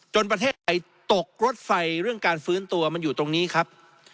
ประเทศไทยตกรถไฟเรื่องการฟื้นตัวมันอยู่ตรงนี้ครับ